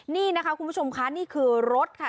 นี่นะคะคุณผู้ชมค่ะนี่คือรถค่ะ